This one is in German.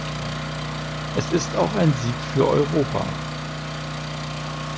Es ist auch ein Sieg für Europa.